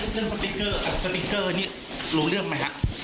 สติ๊กเกอร์กับสติ๊กเกอร์นี่รู้เรื่องไหมฮะ